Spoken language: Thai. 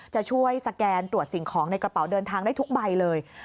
จะช่วยสแกนตรวจสิ่งของในกระเป๋าเดินทางได้ทุกใบเลย